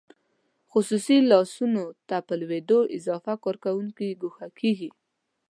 خصوصي لاسونو ته په لوېدو اضافه کارکوونکي ګوښه کیږي.